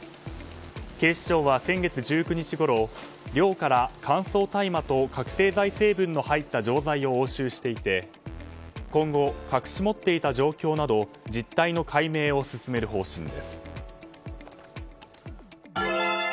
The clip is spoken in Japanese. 警視庁は、先月１９日ごろ寮から乾燥大麻と覚醒剤成分の入った錠剤を押収していて今後、隠し持っていた状況など実態の解明を進める方針です。